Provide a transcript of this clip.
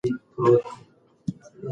آیا تاسې په خپل ژوند کې هدف لرئ؟